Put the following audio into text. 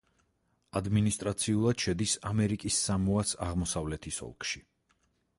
ადმინისტრაციულად შედის ამერიკის სამოას აღმოსავლეთის ოლქში.